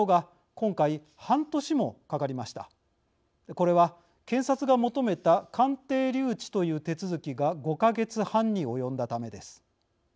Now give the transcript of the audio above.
これは検察が求めた鑑定留置という手続きが５か月半に及んだためです。